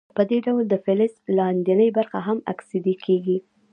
په دې ډول د فلز لاندینۍ برخې هم اکسیدي کیږي.